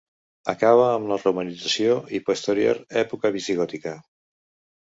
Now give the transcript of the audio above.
Acaba amb la romanització i posterior època visigòtica.